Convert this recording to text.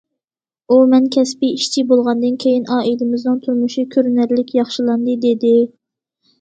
ئۇ مەن كەسپىي ئىشچى بولغاندىن كېيىن ئائىلىمىزنىڭ تۇرمۇشى كۆرۈنەرلىك ياخشىلاندى، دېدى.